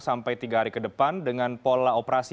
sampai tiga hari ke depan dengan pola operasi